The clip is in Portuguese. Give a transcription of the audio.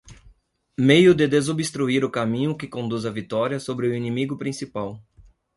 meio de desobstruir o caminho que conduz à vitória sobre o inimigo principal